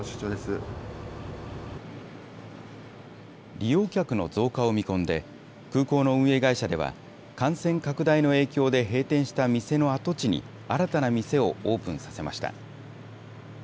利用客の増加を見込んで、空港の運営会社では、感染拡大の影響で閉店した店の跡地に、新たな店をオープンさせました。